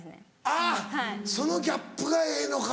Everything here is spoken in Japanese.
あっそのギャップがええのか。